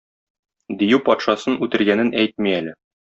Дию патшасын үтергәнен әйтми әле.